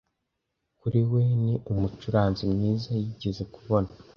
Kuri we, ni umucuranzi mwiza yigeze kubona.